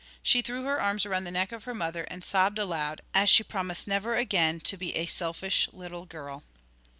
She threw her arms round the neck of her mother, and sobbed aloud, as she promised never again to be a selfish little girl.